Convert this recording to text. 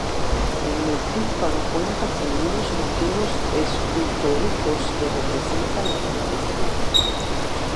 En el tímpano cuenta con unos motivos escultóricos que representan la Santísima Trinidad.